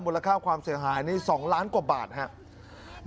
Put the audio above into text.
ค่าความเสียหายนี่๒ล้านกว่าบาทครับ